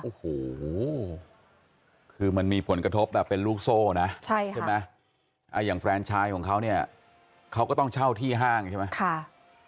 โอ้โหคือมันมีผลกระทบแบบเป็นลูกโซ่นะใช่ไหมอย่างแฟนชายของเขาเนี่ยเขาก็ต้องเช่าที่ห้างใช่ไหม